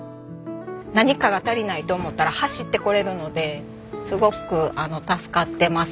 何かが足りないと思ったら走ってこれるのですごく助かってます。